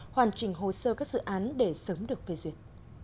hoàn chỉnh hồ sơ các dự án để sớm được phê duyệt